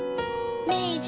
明治